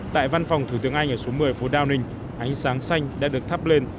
tại văn phòng thủ tướng anh ở số một mươi phố downing ánh sáng xanh đã được thắp lên